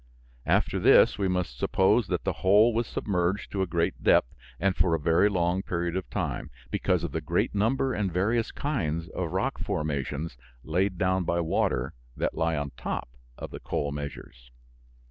After this we must suppose that the whole was submerged to a great depth and for a very long period of time, because of the great number and various kinds of rock formations laid down by water that lie on top of the coal measures.